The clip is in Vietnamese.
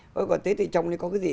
gói quả tết thì trong này có cái gì